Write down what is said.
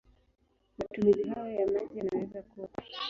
Matumizi hayo ya maji yanaweza kuwa